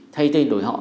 thay tên đổi họ